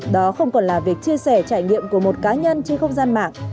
đó không còn là việc chia sẻ trải nghiệm của một cá nhân trên không gian mạng